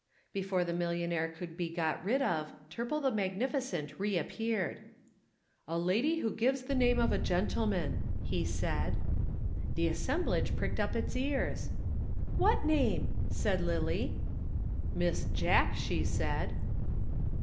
Before the millionaire could be got rid of, Turple the magnificent reappeared. "A lady who gives the name of a gentleman," he said. The assemblage pricked up its ears. "What name?" asked Lillie. "Miss Jack, she said."